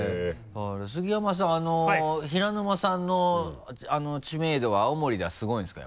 杉山さん平沼さんの知名度は青森ではすごいんですか？